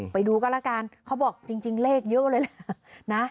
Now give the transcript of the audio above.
ไปดูก็แล้วกันเขาบอกจริงเลขเยอะเลยแหละนะ